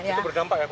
itu berdampak ya bu